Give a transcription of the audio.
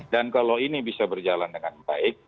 dan kalau ini bisa berjalan dengan baik